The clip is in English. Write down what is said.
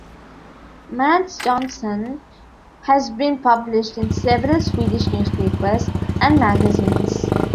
Mats Jonsson has been published in several Swedish newspapers and magazines.